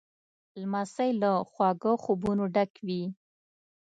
لمسی له خواږه خوبونو ډک وي.